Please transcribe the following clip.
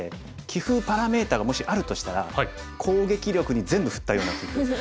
棋風パラメーターがもしあるとしたら攻撃力に全部振ったような棋風です。